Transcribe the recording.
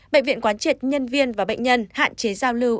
bệnh viện quán triệt nhân viên và bệnh nhân hạn chế giao lưu